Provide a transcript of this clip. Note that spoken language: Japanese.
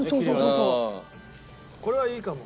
これはいいかも。